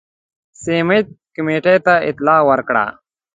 سمیت کمېټې ته اطلاع ورکړه.